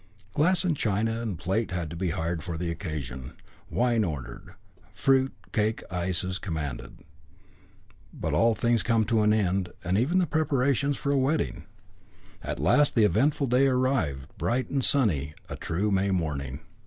Glass and china and plate had to be hired for the occasion, wine ordered. Fruit, cake, ices commanded. But all things come to an end, even the preparations for a wedding. At last the eventful day arrived, bright and sunny, a true May morning.